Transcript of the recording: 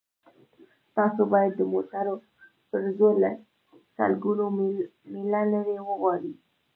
تاسو باید د موټر پرزې له سلګونه میله لرې وغواړئ